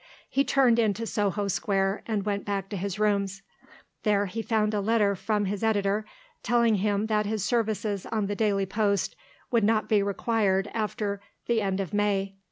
He turned into Soho Square, and went back to his rooms. There he found a letter from his editor telling him that his services on the Daily Post would not be required after the end of May.